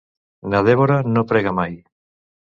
Na Dèbora no prega mai.